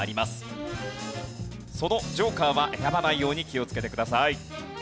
そのジョーカーは選ばないように気をつけてください。